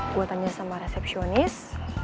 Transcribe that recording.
gua tanya sama resepsionis